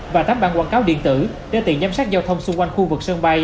và tám bản quảng cáo điện tử để tiện giám sát giao thông xung quanh khu vực sân bay